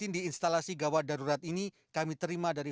di instalasi gawat darurat ini kami terima dari